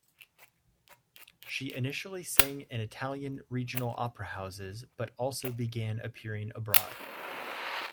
She initially sang in Italian regional opera houses but also began appearing abroad.